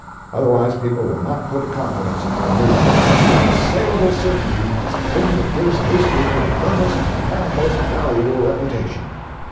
Otherwise, people will not put confidence in your news. Unassailable certainly is the thing that gives a newspaper the firmest and most valuable reputation."